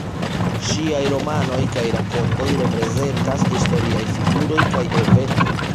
Ŝiaj romanoj kaj rakontoj reprezentas historiaj figuroj kaj eventoj.